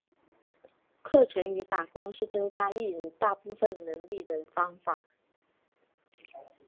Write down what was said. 课程与打工是增加艺人大部分能力的方法。